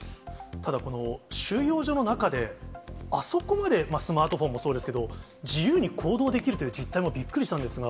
ただ、収容所の中であそこまでスマートフォンもそうですけど、自由に行動できるという実態もびっくりしたんですが。